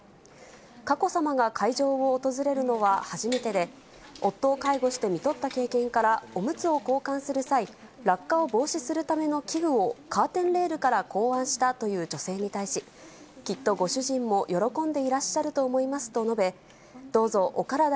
佳子さまが会場を訪れるのは初めてで、夫を介護してみとった経験から、おむつを交換する際、落下を防止するための器具をカーテンレールから考案したという女性に対し、全国の皆さんこんばんは。